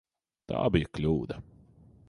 Tā bija kļūda.